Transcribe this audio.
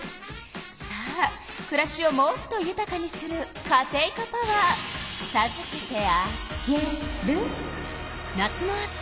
さあくらしをもっとゆたかにするカテイカパワーさずけてあげる。